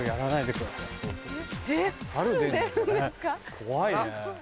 怖いね。